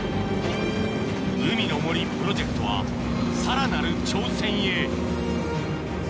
海の森プロジェクトはさらなる挑戦へ・